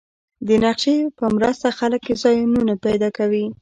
د نقشې په مرسته خلک ځایونه پیدا کوي.